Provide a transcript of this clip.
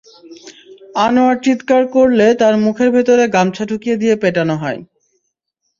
আনোয়ার চিৎকার করলে তার মুখের ভেতরে গামছা ঢুকিয়ে দিয়ে পেটানো হয়।